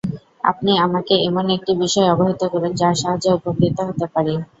আপনি আমাকে এমন একটি বিষয় অবহিত করুন, যার সাহায্যে উপকৃত হতে পারি।